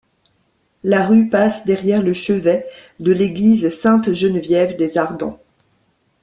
La rue passe derrière le chevet de l'église Sainte-Geneviève-des-Ardents.